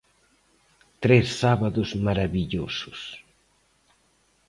Tres sábados marabillosos.